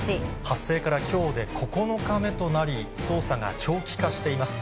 発生から今日で９日目となり捜査が長期化しています。